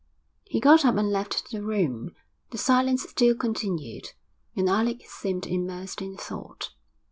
He got up and left the room. The silence still continued, and Alec seemed immersed in thought.